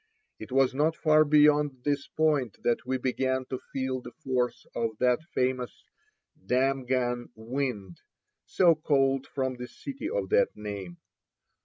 It was not far beyond this point that we began to feel the force of that famous "Damghan wind," so called from the city of that name.